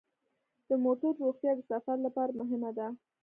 د موټرو روغتیا د سفر لپاره مهمه ده.